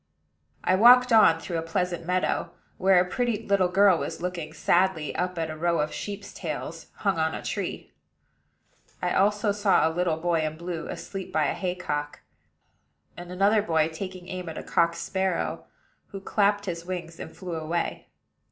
I walked on through a pleasant meadow, where a pretty little girl was looking sadly up at a row of sheep's tails hung on a tree. I also saw a little boy in blue, asleep by a haycock; and another boy taking aim at a cock sparrow, who clapped his wings and flew away.